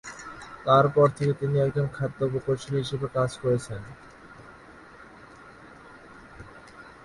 তারপর থেকে তিনি একজন খাদ্য প্রকৌশলী হিসাবে কাজ করেছেন।